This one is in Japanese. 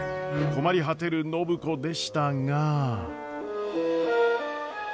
困り果てる暢子でしたが。